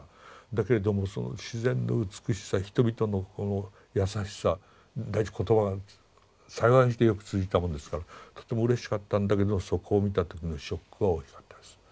だけれどもその自然の美しさ人々のこの優しさ第一言葉が幸いにしてよく通じたもんですからとてもうれしかったんだけどそこを見た時のショックは大きかったです。